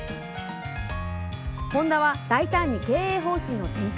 ホンダは大胆に経営方針を転換。